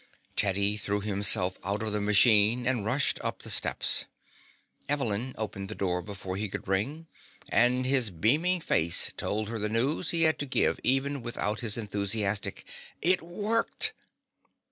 Teddy threw himself out of the machine and rushed up the steps. Evelyn opened the door before he could ring, and his beaming face told her the news he had to give even without his enthusiastic, "It worked!"